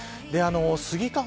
スギ花粉